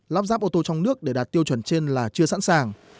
lắp ráp ô tô trong nước để đạt tiêu chuẩn trên là chưa sẵn sàng